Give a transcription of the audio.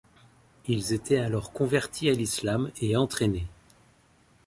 Ils étaient alors convertis à l'Islam et entraînés.